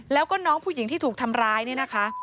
แล้วก็น้องผู้หญิงที่ถูกทำร้ายเนี่ยนะคะ